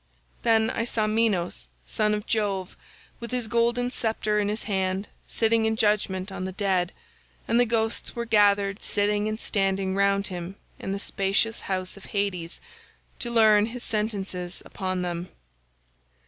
"Then I saw Minos son of Jove with his golden sceptre in his hand sitting in judgement on the dead, and the ghosts were gathered sitting and standing round him in the spacious house of Hades, to learn his sentences upon them.